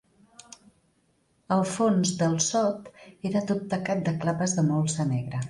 El fons del sot era tot tacat de clapes de molsa negra